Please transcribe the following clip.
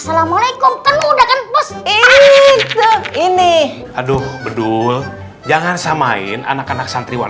sampai jumpa di video selanjutnya